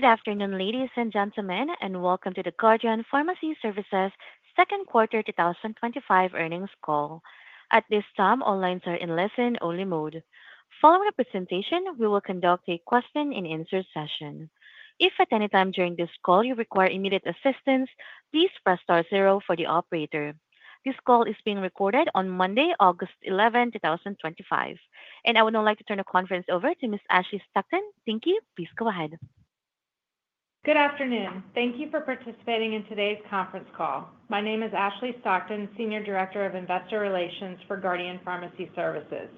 Good afternoon, ladies and gentlemen, and welcome to the Guardian Pharmacy Services' Second Quarter 2025 Earnings Call. At this time, all lines are in listen-only mode. Following the presentation, we will conduct a question-and-answer session. If at any time during this call you require immediate assistance, please press star zero for the operator. This call is being recorded on Monday, August 11, 2025. I would now like to turn the conference over to Ms. Ashley Stockton. Thank you. Please go ahead. Good afternoon. Thank you for participating in today's conference call. My name is Ashley Stockton, Senior Director of Investor Relations for Guardian Pharmacy Services.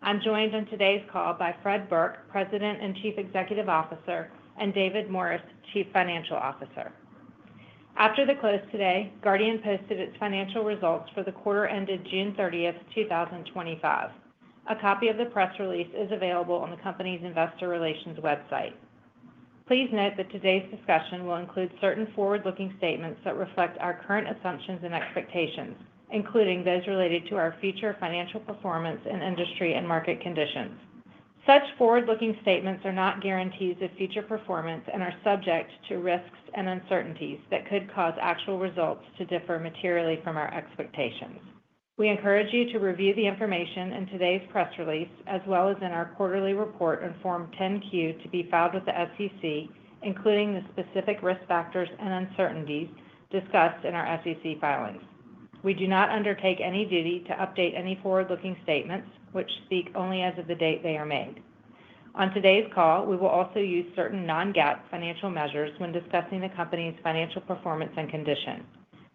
I'm joined on today's call by Fred Burke, President and Chief Executive Officer, and David Morris, Chief Financial Officer. After the close today, Guardian posted its financial results for the quarter ended June 30th, 2025. A copy of the press release is available on the company's investor relations website. Please note that today's discussion will include certain forward-looking statements that reflect our current assumptions and expectations, including those related to our future financial performance in industry and market conditions. Such forward-looking statements are not guarantees of future performance and are subject to risks and uncertainties that could cause actual results to differ materially from our expectations. We encourage you to review the information in today's press release, as well as in our quarterly report in Form 10-Q, to be filed with the SEC, including the specific risk factors and uncertainties discussed in our SEC filings. We do not undertake any duty to update any forward-looking statements, which speak only as of the date they are made. On today's call, we will also use certain non-GAAP financial measures when discussing the company's financial performance and condition.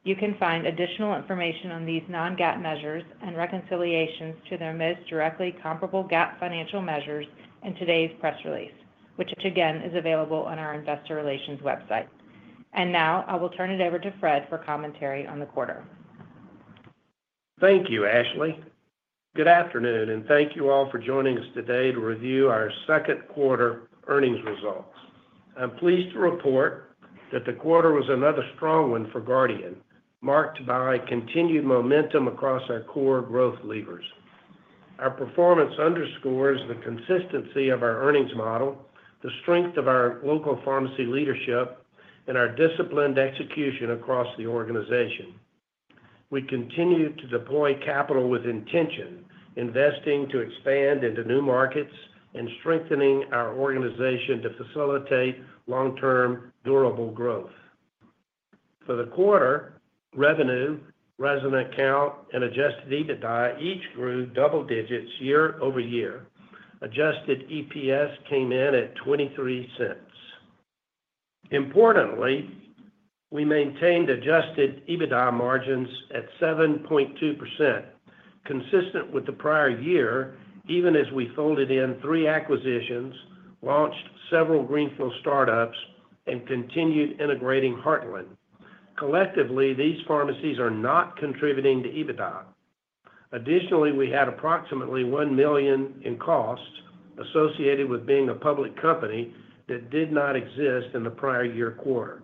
You can find additional information on these non-GAAP measures and reconciliations to their most directly comparable GAAP financial measures in today's press release, which again is available on our investor relations website. I will turn it over to Fred for commentary on the quarter. Thank you, Ashley. Good afternoon, and thank you all for joining us today to review our second quarter earnings results. I'm pleased to report that the quarter was another strong one for Guardian, marked by continued momentum across our core growth levers. Our performance underscores the consistency of our earnings model, the strength of our local pharmacy leadership, and our disciplined execution across the organization. We continue to deploy capital with intention, investing to expand into new markets and strengthening our organization to facilitate long-term durable growth. For the quarter, revenue, resident count, and adjusted EBITDA each grew double digits year-over-year. Adjusted EPS came in at $0.23. Importantly, we maintained adjusted EBITDA margins at 7.2%, consistent with the prior year, even as we folded in three acquisitions, launched several Greenfield startups, and continued integrating Heartland. Collectively, these pharmacies are not contributing to EBITDA. Additionally, we had approximately $1 million in costs associated with being a public company that did not exist in the prior year quarter.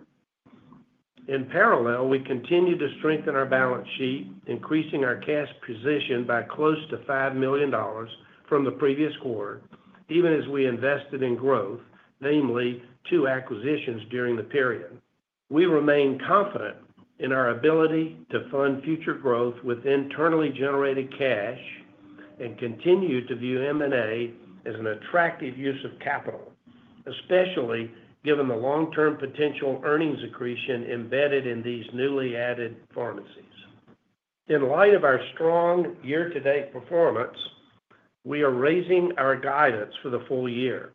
In parallel, we continue to strengthen our balance sheet, increasing our cash position by close to $5 million from the previous quarter, even as we invested in growth, namely two acquisitions during the period. We remain confident in our ability to fund future growth with internally generated cash and continue to view M&A as an attractive use of capital, especially given the long-term potential earnings accretion embedded in these newly added pharmacies. In light of our strong year-to-date performance, we are raising our guidance for the full year.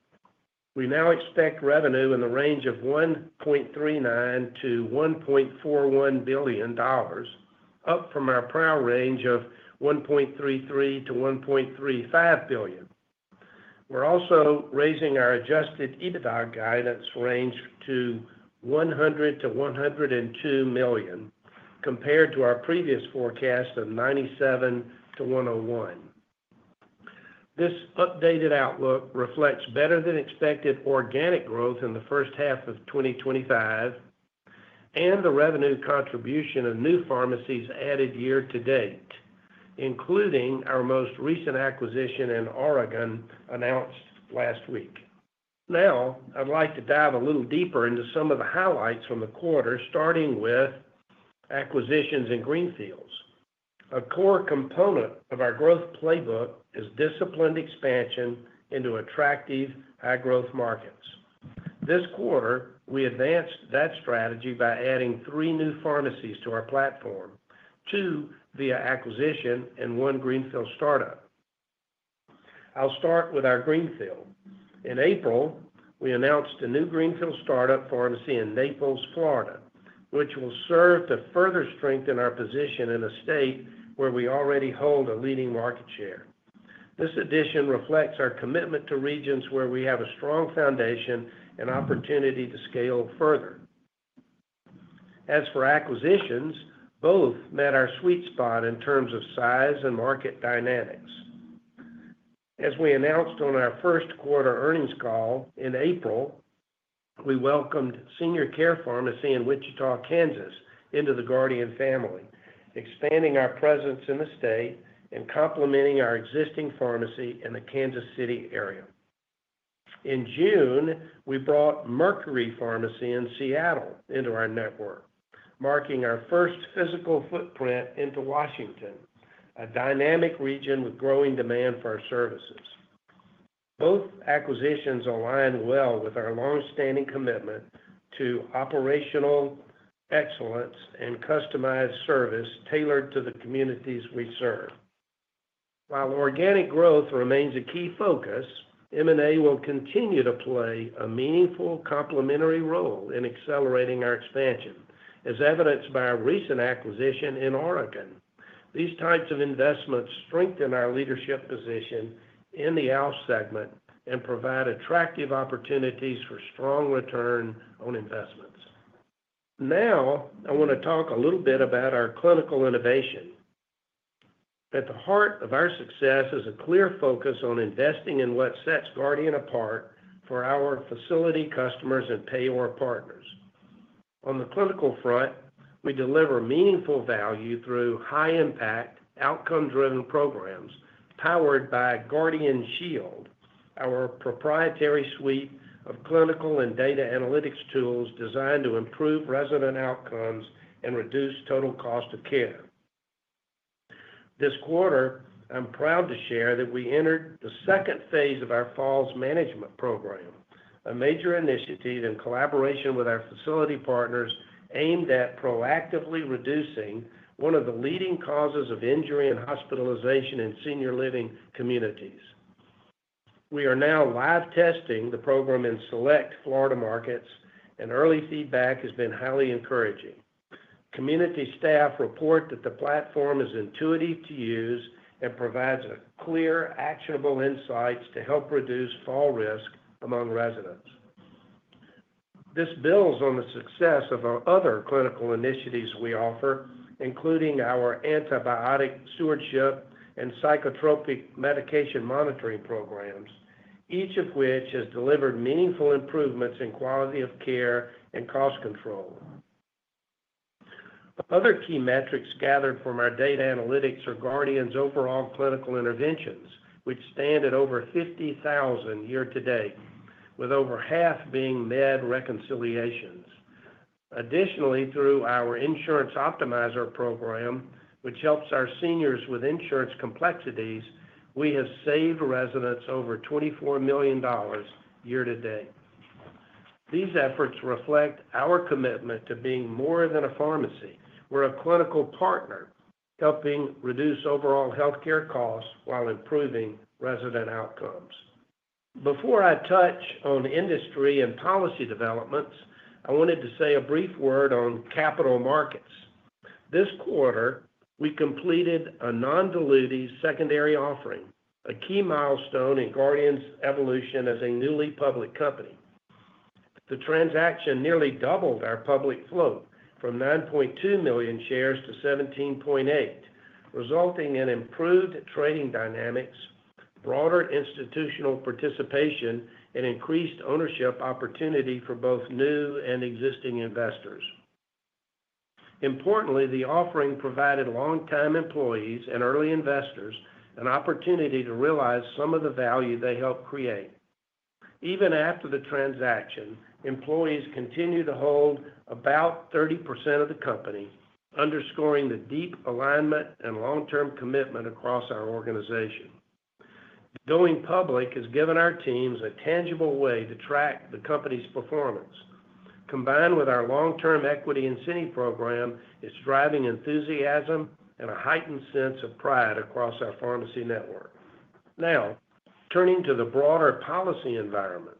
We now expect revenue in the of $1.39 billion-$1.41 billion, up from our prior range of $1.33 billion-$1.35 billion. We're also raising our adjusted EBITDA guidance range to $100 million-$102 million, compared to our previous forecast of $97 million-$101 million. This updated outlook reflects better-than-expected organic growth in the first half of 2025 and the revenue contribution of new pharmacies added year to date, including our most recent acquisition in Oregon announced last week. Now, I'd like to dive a little deeper into some of the highlights from the quarter, starting with acquisitions in Greenfields. A core component of our growth playbook is disciplined expansion into attractive, high-growth markets. This quarter, we advanced that strategy by adding three new pharmacies to our platform: two via acquisition and one Greenfield startup. I'll start with our Greenfield. In April, we announced a new Greenfield startup pharmacy in Naples, Florida, which will serve to further strengthen our position in a state where we already hold a leading market share. This addition reflects our commitment to regions where we have a strong foundation and opportunity to scale further. As for acquisitions, both met our sweet spot in terms of size and market dynamics. As we announced on our first quarter earnings call in April, we welcomed Senior Care Pharmacy in Wichita, Kansas, into the Guardian family, expanding our presence in the state and complementing our existing pharmacy in the Kansas City area. In June, we brought Mercury Pharmacy in Seattle into our network, marking our first physical footprint into Washington, a dynamic region with growing demand for our services. Both acquisitions align well with our longstanding commitment to operational excellence and customized service tailored to the communities we serve. While organic growth remains a key focus, M&A will continue to play a meaningful complementary role in accelerating our expansion, as evidenced by our recent acquisition in Oregon. These types of investments strengthen our leadership position in the health segment and provide attractive opportunities for strong return on investments. Now, I want to talk a little bit about our clinical innovation. At the heart of our success is a clear focus on investing in what sets Guardian apart for our facility customers and payor partners. On the clinical front, we deliver meaningful value through high-impact, outcome-driven programs powered by GuardianShield, our proprietary suite of clinical and data analytics tools designed to improve resident outcomes and reduce total cost of care. This quarter, I'm proud to share that we entered the second phase of our falls management program, a major initiative in collaboration with our facility partners aimed at proactively reducing one of the leading causes of injury and hospitalization in senior living communities. We are now live testing the program in select Florida markets, and early feedback has been highly encouraging. Community staff report that the platform is intuitive to use and provides clear, actionable insights to help reduce fall risk among residents. This builds on the success of our other clinical initiatives we offer, including our antibiotic stewardship and psychotropic medication monitoring programs, each of which has delivered meaningful improvements in quality of care and cost control. Other key metrics gathered from our data analytics are Guardian's overall clinical interventions, which stand at over 50,000 year to date, with over half being med reconciliations. Additionally, through our Insurance Optimizer Program, which helps our seniors with insurance complexities, we have saved residents over $24 million year to date. These efforts reflect our commitment to being more than a pharmacy. We're a clinical partner, helping reduce overall healthcare costs while improving resident outcomes. Before I touch on industry and policy developments, I wanted to say a brief word on capital markets. This quarter, we completed a non-dilutive secondary offering, a key milestone in Guardian's evolution as a newly public company. The transaction nearly doubled our public float from 9.2 million shares to 17.8 million, resulting in improved trading dynamics, broader institutional participation, and increased ownership opportunity for both new and existing investors. Importantly, the offering provided long-time employees and early investors an opportunity to realize some of the value they helped create. Even after the transaction, employees continue to hold about 30% of the company, underscoring the deep alignment and long-term commitment across our organization. Going public has given our teams a tangible way to track the company's performance. Combined with our long-term equity incentive program, it's driving enthusiasm and a heightened sense of pride across our pharmacy network. Now, turning to the broader policy environment,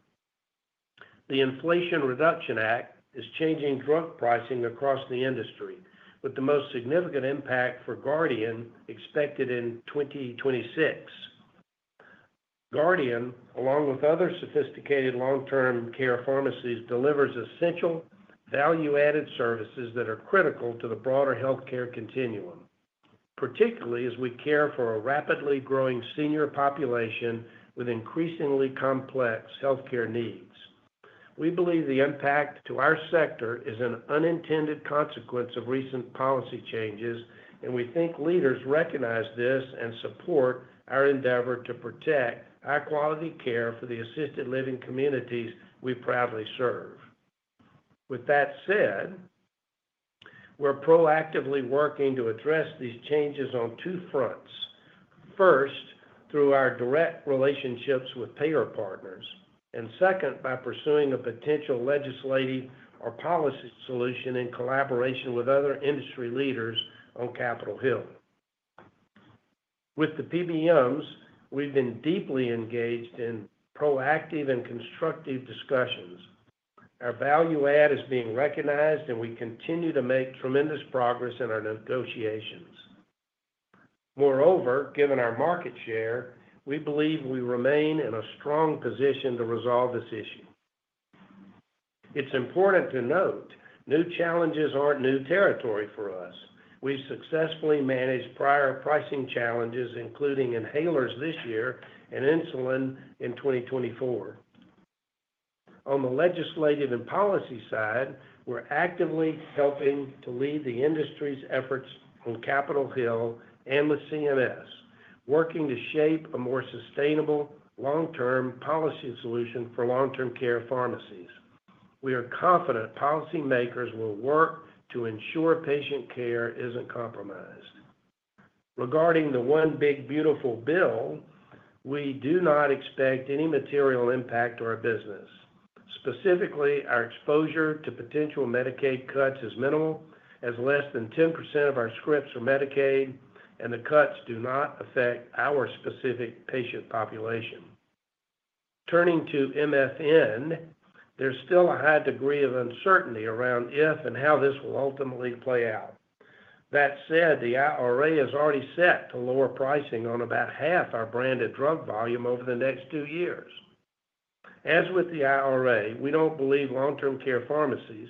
the Inflation Reduction Act is changing drug pricing across the industry, with the most significant impact for Guardian expected in 2026. Guardian, along with other sophisticated long-term care pharmacies, delivers essential value-added services that are critical to the broader healthcare continuum, particularly as we care for a rapidly growing senior population with increasingly complex healthcare needs. We believe the impact to our sector is an unintended consequence of recent policy changes, and we think leaders recognize this and support our endeavor to protect high-quality care for the assisted living communities we proudly serve. With that said, we're proactively working to address these changes on two fronts: first, through our direct relationships with payor partners, and second, by pursuing a potential legislative or policy solution in collaboration with other industry leaders on Capitol Hill. With the PBMs, we've been deeply engaged in proactive and constructive discussions. Our value add is being recognized, and we continue to make tremendous progress in our negotiations. Moreover, given our market share, we believe we remain in a strong position to resolve this issue. It's important to note new challenges aren't new territory for us. We've successfully managed prior pricing challenges, including inhalers this year and insulin in 2024. On the legislative and policy side, we're actively helping to lead the industry's efforts on Capitol Hill and with CMS, working to shape a more sustainable, long-term policy solution for long-term care pharmacies. We are confident policymakers will work to ensure patient care isn't compromised. Regarding the One Big Beautiful Bill, we do not expect any material impact to our business. Specifically, our exposure to potential Medicaid cuts is minimal, as less than 10% of our scripts are Medicaid, and the cuts do not affect our specific patient population. Turning to MFN, there's still a high degree of uncertainty around if and how this will ultimately play out. That said, the IRA is already set to lower pricing on about half our branded drug volume over the next two years. As with the IRA, we don't believe long-term care pharmacies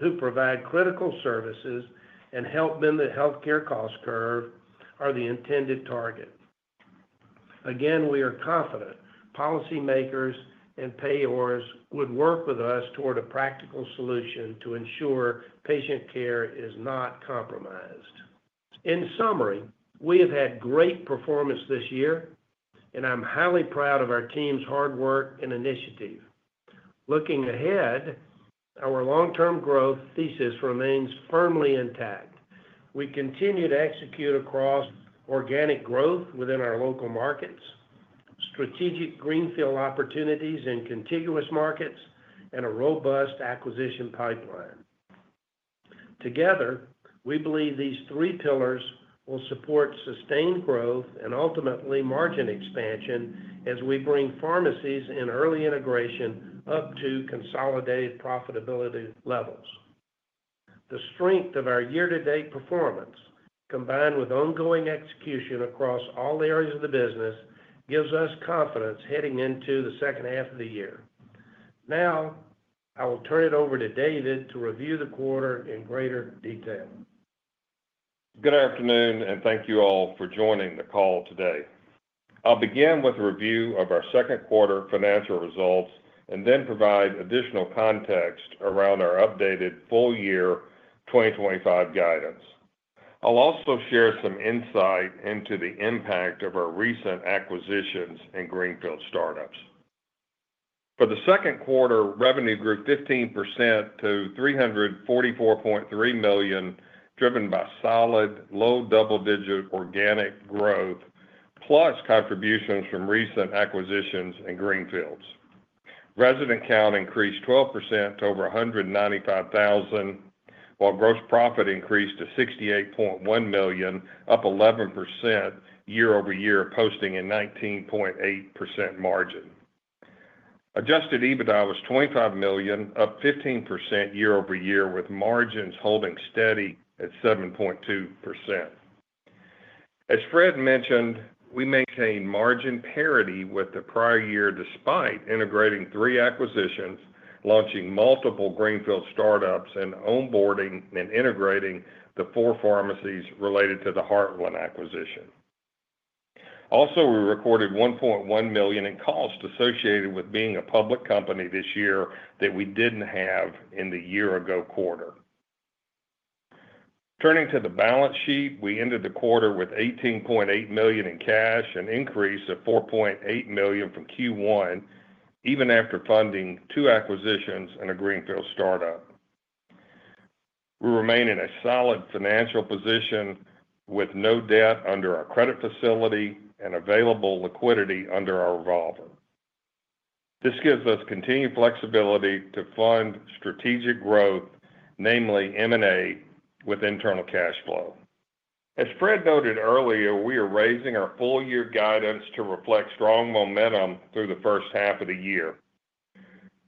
who provide critical services and help bend the healthcare cost curve are the intended target. Again, we are confident policymakers and payors would work with us toward a practical solution to ensure patient care is not compromised. In summary, we have had great performance this year, and I'm highly proud of our team's hard work and initiative. Looking ahead, our long-term growth thesis remains firmly intact. We continue to execute across organic growth within our local markets, strategic Greenfield opportunities in contiguous markets, and a robust acquisition pipeline. Together, we believe these three pillars will support sustained growth and ultimately margin expansion as we bring pharmacies in early integration up to consolidated profitability levels. The strength of our year-to-date performance, combined with ongoing execution across all areas of the business, gives us confidence heading into the second half of the year. Now, I will turn it over to David to review the quarter in greater detail. Good afternoon, and thank you all for joining the call today. I'll begin with a review of our second quarter financial results and then provide additional context around our updated full-year 2025 guidance. I'll also share some insight into the impact of our recent acquisitions and Greenfield startups. For the second quarter, revenue grew 15% to $344.3 million, driven by solid, low double-digit organic growth plus contributions from recent acquisitions and Greenfields. Resident count increased 12% to over 195,000, while gross profit increased to $68.1 million, up 11% year-over-year, posting a 19.8% margin. Adjusted EBITDA was $25 million, up 15% year-over-year, with margins holding steady at 7.2%. As Fred mentioned, we maintained margin parity with the prior year despite integrating three acquisitions, launching multiple Greenfield startups, and onboarding and integrating the four pharmacies related to the Heartland acquisition. Also, we recorded $1.1 million in costs associated with being a public company this year that we didn't have in the year-ago quarter. Turning to the balance sheet, we ended the quarter with $18.8 million in cash, an increase of $4.8 million from Q1, even after funding two acquisitions and a Greenfield startup. We remain in a solid financial position with no debt under our credit facility and available liquidity under our revolver. This gives us continued flexibility to fund strategic growth, namely M&A with internal cash flow. As Fred noted earlier, we are raising our full-year guidance to reflect strong momentum through the first half of the year.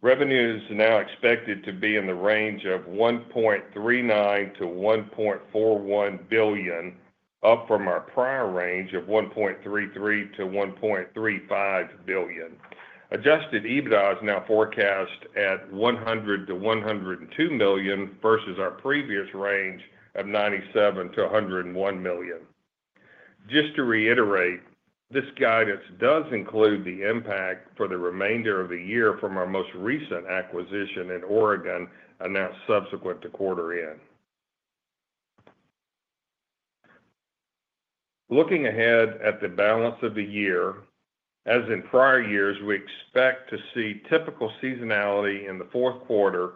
Revenue is now expected to be in the range of $1.39 billion-$1.41 billion, up from our prior range of $1.33 billion-$1.35 billion. Adjusted EBITDA is now forecast at $100 billion-$102 million versus our previous range of $97 million-$101 million. Just to reiterate, this guidance does include the impact for the remainder of the year from our most recent acquisition in Oregon announced subsequent to quarter end. Looking ahead at the balance of the year, as in prior years, we expect to see typical seasonality in the fourth quarter,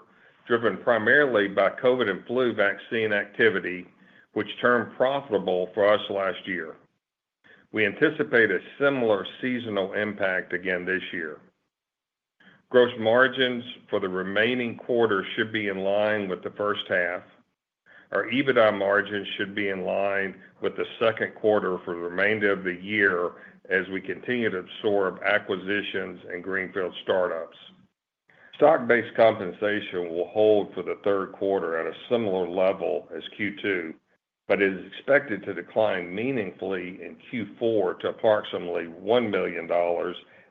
driven primarily by COVID and flu vaccine activity, which turned profitable for us last year. We anticipate a similar seasonal impact again this year. Gross margins for the remaining quarter should be in line with the first half. Our EBITDA margins should be in line with the second quarter for the remainder of the year as we continue to absorb acquisitions and Greenfield startups. Stock-based compensation will hold for the third quarter at a similar level as Q2, but is expected to decline meaningfully in Q4 to approximately $1 million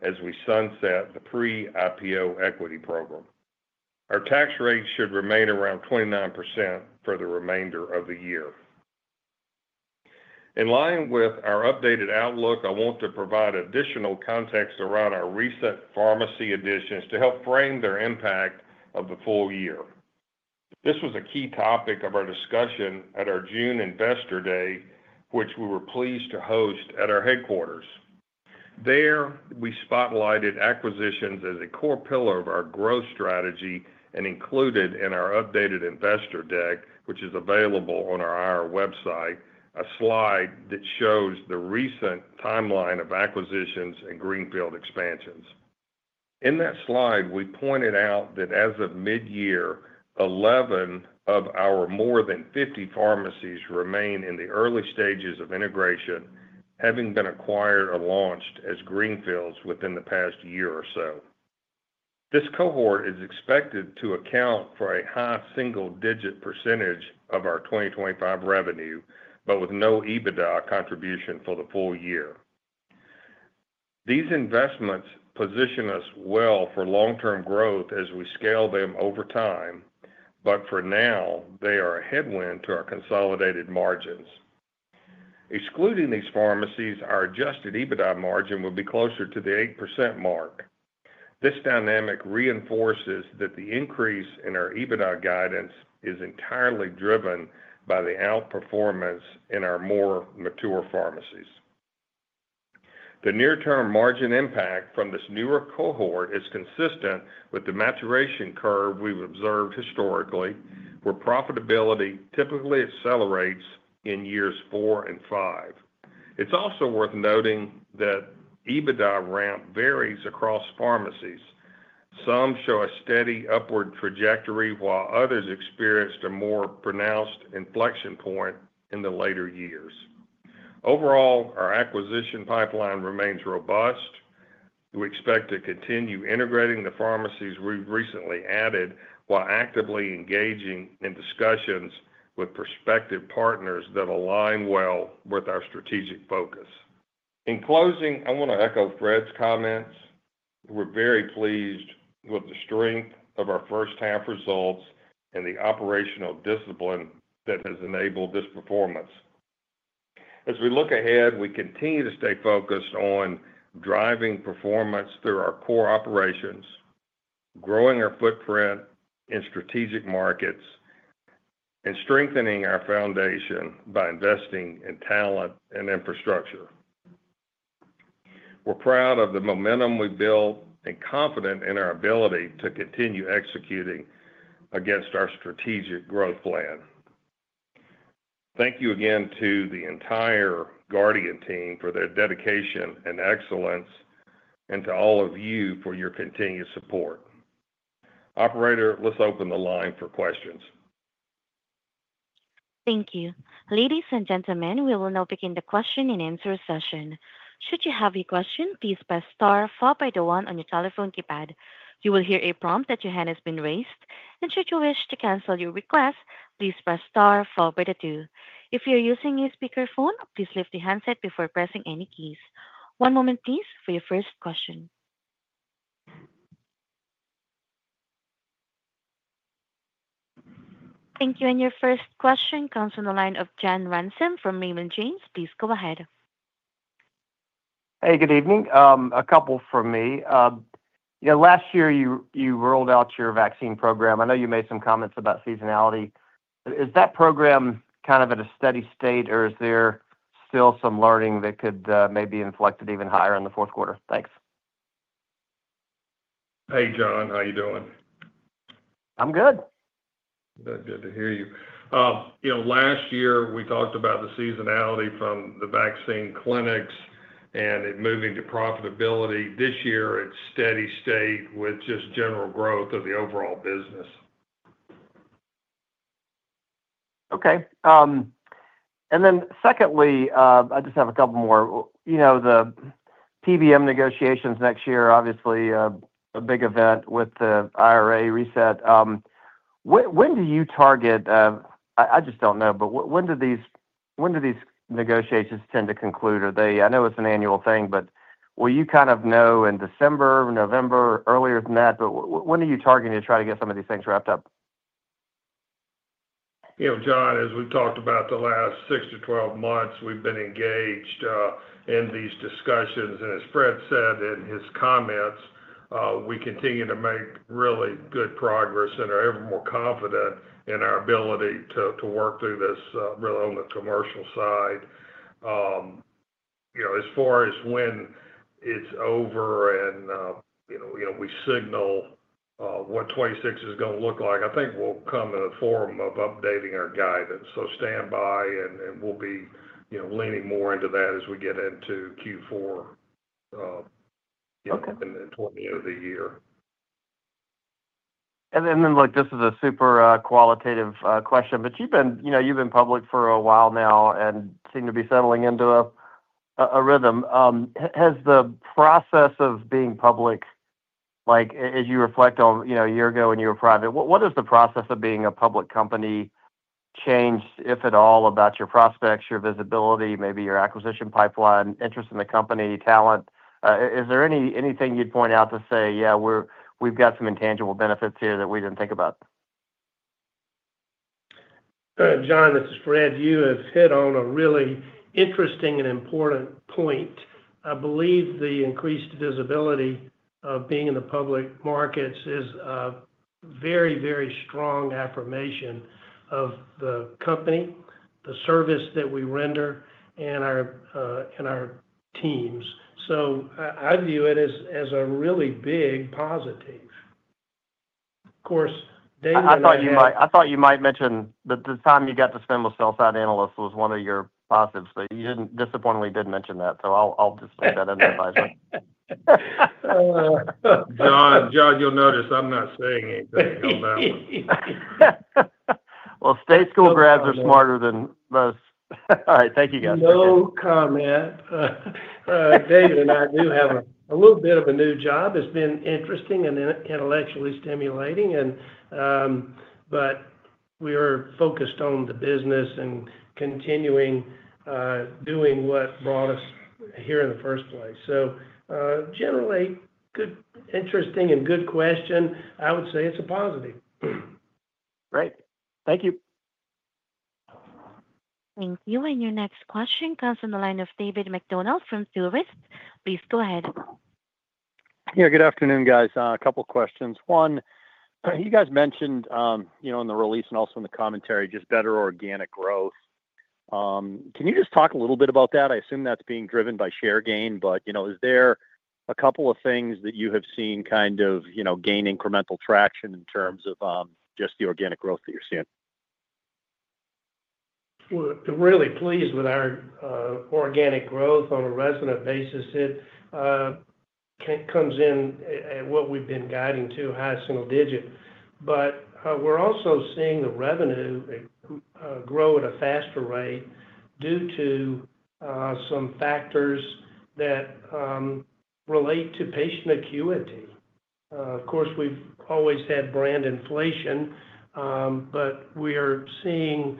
as we sunset the pre-IPO equity program. Our tax rate should remain around 29% for the remainder of the year. In line with our updated outlook, I want to provide additional context around our recent pharmacy additions to help frame their impact of the full year. This was a key topic of our discussion at our June Investor Day, which we were pleased to host at our headquarters. There, we spotlighted acquisitions as a core pillar of our growth strategy and included in our updated investor deck, which is available on our IR website, a slide that shows the recent timeline of acquisitions and Greenfield expansions. In that slide, we pointed out that as of mid-year, 11 of our more than 50 pharmacies remain in the early stages of integration, having been acquired or launched as Greenfields within the past year or so. This cohort is expected to account for a high single-digit percentage of our 2025 revenue, but with no EBITDA contribution for the full year. These investments position us well for long-term growth as we scale them over time, but for now, they are a headwind to our consolidated margins. Excluding these pharmacies, our adjusted EBITDA margin would be closer to the 8% mark. This dynamic reinforces that the increase in our EBITDA guidance is entirely driven by the outperformance in our more mature pharmacies. The near-term margin impact from this newer cohort is consistent with the maturation curve we've observed historically, where profitability typically accelerates in years four and five. It's also worth noting that EBITDA ramp varies across pharmacies. Some show a steady upward trajectory, while others experience a more pronounced inflection point in the later years. Overall, our acquisition pipeline remains robust. We expect to continue integrating the pharmacies we've recently added while actively engaging in discussions with prospective partners that align well with our strategic focus. In closing, I want to echo Fred's comments. We're very pleased with the strength of our first half results and the operational discipline that has enabled this performance. As we look ahead, we continue to stay focused on driving performance through our core operations, growing our footprint in strategic markets, and strengthening our foundation by investing in talent and infrastructure. We're proud of the momentum we built and confident in our ability to continue executing against our strategic growth plan. Thank you again to the entire Guardian team for their dedication and excellence and to all of you for your continued support. Operator, let's open the line for questions. Thank you. Ladies and gentlemen, we will now begin the question-and-answer session. Should you have a question, please press star followed by the one on your telephone keypad. You will hear a prompt that your hand has been raised. Should you wish to cancel your request, please press star followed by the two. If you're using a speakerphone, please lift your handset before pressing any keys. One moment, please, for your first question. Thank you. Your first question comes from the line of John Ransom from Raymond James. Please go ahead. Hey, good evening. A couple for me. You know, last year you rolled out your vaccine program. I know you made some comments about seasonality. Is that program kind of at a steady state, or is there still some learning that could maybe be inflected even higher in the fourth quarter? Thanks. Hey, Jon. How are you doing? I'm good. Good, good to hear you. Last year we talked about the seasonality from the vaccine clinics and it moving to profitability. This year, it's steady state with just general growth of the overall business. Okay. Secondly, I just have a couple more. You know, the PBM negotiations next year, obviously a big event with the IRA reset. When do you target? I just don't know, but when do these negotiations tend to conclude? Are they? I know it's an annual thing, but will you kind of know in December, November, earlier than that? When are you targeting to try to get some of these things wrapped up? You know, Jon, as we've talked about the last 6-12 months, we've been engaged in these discussions. As Fred said in his comments, we continue to make really good progress and are ever more confident in our ability to work through this, really on the commercial side. As far as when it's over and, you know, we signal what 2026 is going to look like, I think we'll come in the form of updating our guidance. Stand by and we'll be, you know, leaning more into that as we get into Q4, you know, in the 20th of the year. This is a super qualitative question, but you've been public for a while now and seem to be settling into a rhythm. Has the process of being public, as you reflect on a year ago when you were private, changed, if at all, your prospects, your visibility, maybe your acquisition pipeline, interest in the company, talent? Is there anything you'd point out to say, "Yeah, we've got some intangible benefits here that we didn't think about"? Jon, this is Fred. You have hit on a really interesting and important point. I believe the increased visibility of being in the public markets is a very, very strong affirmation of the company, the service that we render, and our teams. I view it as a really big positive. Of course, David and I. I thought you might mention that the time you got to spend with self-taught analysts was one of your positives, but you didn't, disappointingly did mention that. I'll just leave that in there if I may. Jon, you'll notice I'm not saying anything about it. State school grads are smarter than most. All right. Thank you, guys. No comment. David and I do have a little bit of a new job. It's been interesting and intellectually stimulating. We are focused on the business and continuing doing what brought us here in the first place. Generally, interesting and good question. I would say it's a positive. Great. Thank you. Thank you. Your next question comes from the line of David MacDonald from Truist. Please go ahead. Yeah, good afternoon, guys. A couple of questions. One, you guys mentioned, you know, in the release and also in the commentary, just better organic growth. Can you just talk a little bit about that? I assume that's being driven by share gain, but you know, is there a couple of things that you have seen kind of, you know, gain incremental traction in terms of just the organic growth that you're seeing? We're really pleased with our organic growth on a resident basis. It comes in at what we've been guiding to, high single digit. We are also seeing the revenue grow at a faster rate due to some factors that relate to patient acuity. Of course, we've always had brand inflation, but we are seeing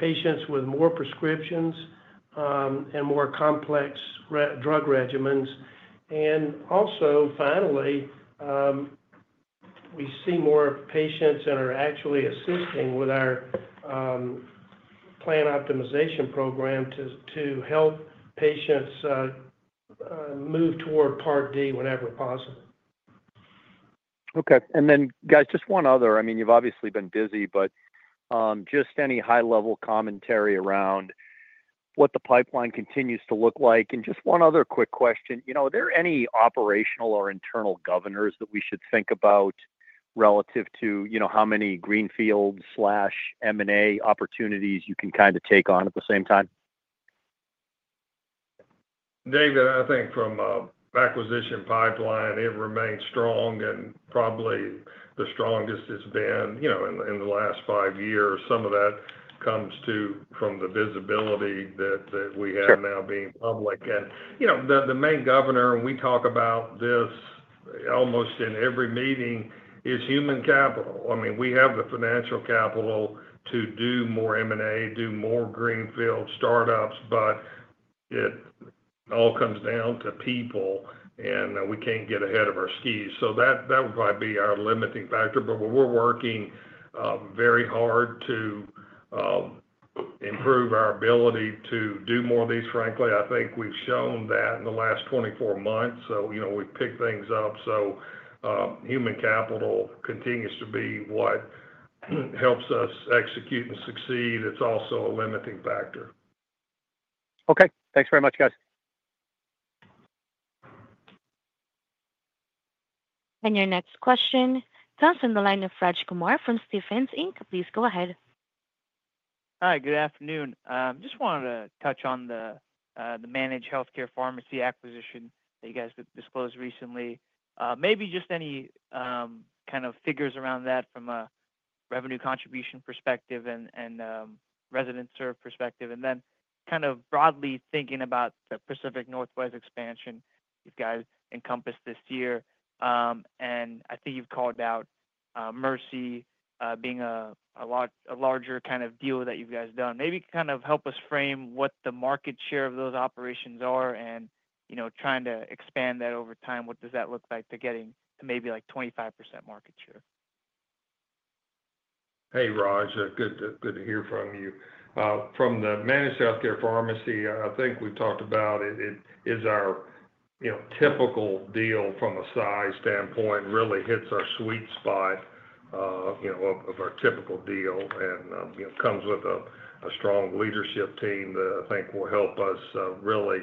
patients with more prescriptions and more complex drug regimens. Finally, we see more patients that are actually assisting with our plan optimization program to help patients move toward Part D whenever possible. Okay. Just one other. I mean, you've obviously been busy, but just any high-level commentary around what the pipeline continues to look like. Just one other quick question. You know, are there any operational or internal governors that we should think about relative to how many Greenfield/M&A opportunities you can kind of take on at the same time? David, I think from acquisition pipeline, it remains strong and probably the strongest it's been in the last five years. Some of that comes from the visibility that we have now being public. The main governor, and we talk about this almost in every meeting, is human capital. I mean, we have the financial capital to do more M&A, do more Greenfield startups, but it all comes down to people, and we can't get ahead of our skis. That would probably be our limiting factor. We're working very hard to improve our ability to do more of these. Frankly, I think we've shown that in the last 24 months. We've picked things up. Human capital continues to be what helps us execute and succeed. It's also a limiting factor. Okay, thanks very much, guys. Your next question comes from the line of Raj Kumar from Stephens Inc. Please go ahead. Hi, good afternoon. I just wanted to touch on the managed healthcare pharmacy acquisition that you guys disclosed recently. Maybe just any kind of figures around that from a revenue contribution perspective and resident-serve perspective. Then broadly thinking about the Pacific Northwest expansion you guys encompassed this year. I think you've called out Mercury being a larger kind of deal that you guys have done. Maybe help us frame what the market share of those operations are and, you know, trying to expand that over time. What does that look like to getting maybe like 25% market share? Hey, Raj. Good to hear from you. From the managed healthcare pharmacy, I think we've talked about it. It is our typical deal from a size standpoint. It really hits our sweet spot of our typical deal and comes with a strong leadership team that I think will help us really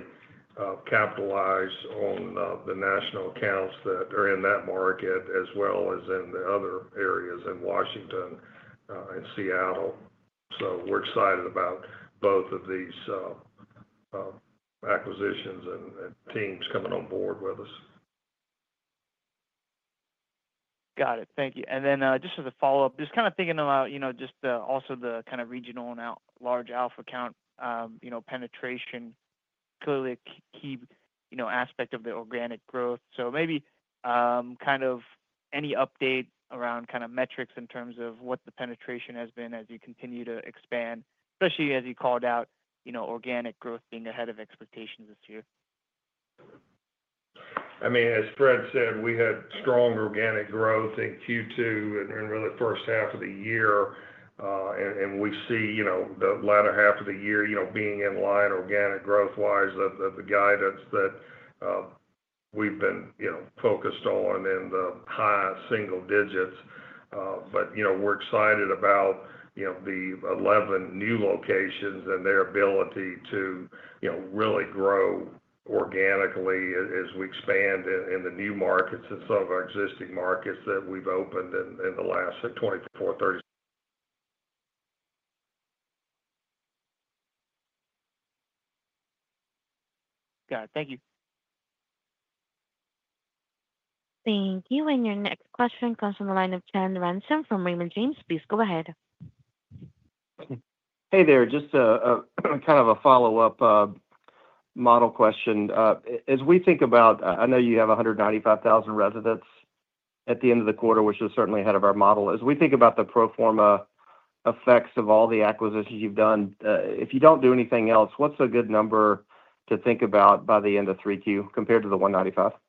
capitalize on the national accounts that are in that market as well as in the other areas in Washington and Seattle. We are excited about both of these acquisitions and teams coming on board with us. Got it. Thank you. Just as a follow-up, thinking about the kind of regional and large alpha count, penetration is clearly a key aspect of the organic growth. Maybe any update around metrics in terms of what the penetration has been as you continue to expand, especially as you called out organic growth being ahead of expectations this year. I mean, as Fred said, we had strong organic growth in Q2 and in the first half of the year. We see the latter half of the year being in line organic growth-wise with the guidance that we've been focused on in the high single digits. We're excited about the 11 new locations and their ability to really grow organically as we expand in the new markets and some of our existing markets that we've opened in the last 24-30. Got it. Thank you. Thank you. Your next question comes from the line of John Ransom from Raymond James. Please go ahead. Hey there. Just a kind of a follow-up model question. As we think about, I know you have 195,000 residents at the end of the quarter, which is certainly ahead of our model. As we think about the pro forma effects of all the acquisitions you've done, if you don't do anything else, what's a good number to think about by the end of 3Q compared to the 195,000? You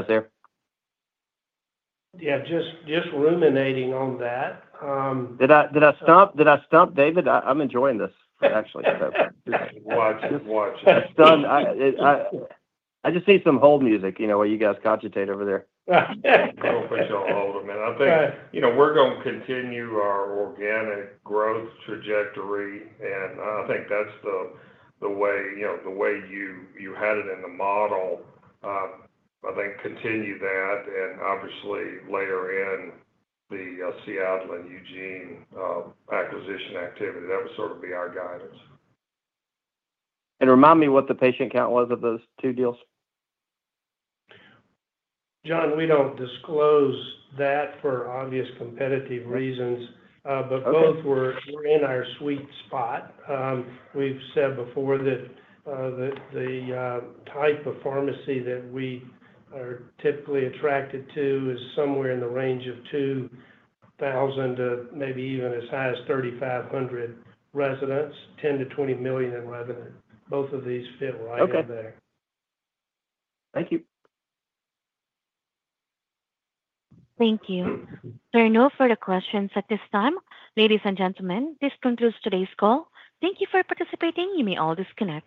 guys there? Yeah, just ruminating on that. Did I stump David? I'm enjoying this, actually. Watch, watch. I just need some hold music, you know, while you guys cogitate over there. I will put you on hold, man. I think we're going to continue our organic growth trajectory, and I think that's the way you had it in the model. I think continue that and obviously layer in the Seattle and Eugene acquisition activity. That would sort of be our guidance. Remind me what the patient count was of those two deals. Jon, we don't disclose that for obvious competitive reasons, but both were in our sweet spot. We've said before that the type of pharmacy that we are typically attracted to is somewhere in the range of 2,000 to maybe even as high as 3,500 residents, $10 million-$20 million in revenue. Both of these fit a lot in there. Thank you. Thank you. There are no further questions at this time. Ladies and gentlemen, this concludes today's call. Thank you for participating. You may all disconnect.